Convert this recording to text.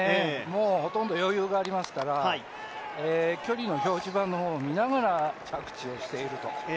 もうほとんど余裕がありますから距離の表示板の方を見ながら着地をしていると。